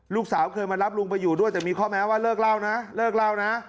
ลูกสาวเคยมารับลุงไปอยู่ด้วยแต่มีข้อแม้ว่าเลิกเล่านะเลิกเล่านะ